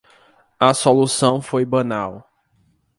A solução foi banal.